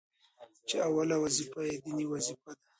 چي اوله وظيفه يې ديني وظيفه ده،